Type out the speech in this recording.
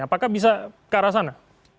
apakah bisa ke arah sana